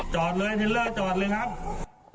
จอดเลยเฮนเเรอร์จอดเลยครับโอ้โห